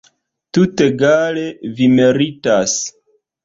Tutegale vi meritas.